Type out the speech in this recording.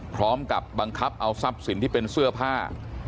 พร้อมกับบังคับเอาทรัพย์สินที่เป็นเสื้อผ้า